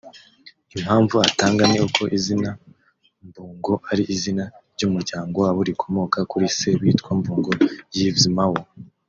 Impamvu atanga ni uko izina Mbungo ari izina ry’umuryango wabo rikomoka kuri se witwa Mbungo Yves Mao